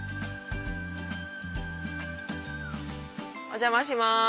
お邪魔します。